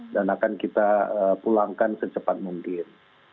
dan akan kita pulangkan secepat mungkin